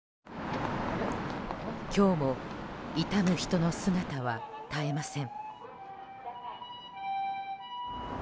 今日も悼む人の姿は絶えません。